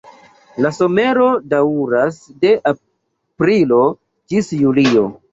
La somero daŭras de aprilo ĝis julio.